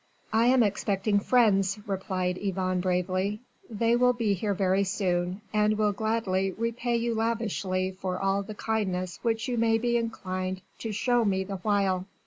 "I am expecting friends," replied Yvonne bravely; "they will be here very soon, and will gladly repay you lavishly for all the kindness which you may be inclined to show to me the while."